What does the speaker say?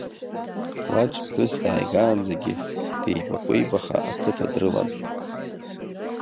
Лаџ ԥҳәыс дааигаанӡагьы деибакәеибаха ақыҭа дрылан.